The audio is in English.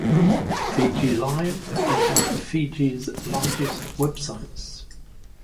"Fijilive" is one of Fiji's largest websites.